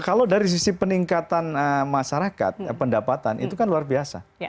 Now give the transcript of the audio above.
kalau dari sisi peningkatan masyarakat pendapatan itu kan luar biasa